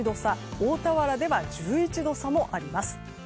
大田原では１１度差もあります。